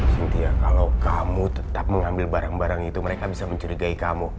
sintia kalau kamu tetap mengambil barang barang itu mereka bisa mencurigai kamu